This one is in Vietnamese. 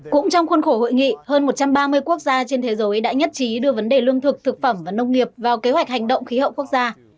cũng trong khuôn khổ hội nghị hơn một trăm ba mươi quốc gia trên thế giới đã nhất trí đưa vấn đề lương thực thực phẩm và nông nghiệp vào kế hoạch hành động khí hậu quốc gia